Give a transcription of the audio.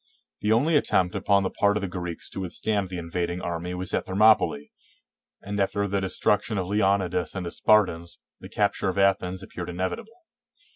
The only attempt upon the part of the Greeks to A^dthstand the invading army was at Thermopylae, and after the destruction of Leonidas and his Spartans, the capture of Athens appeared ine vitable.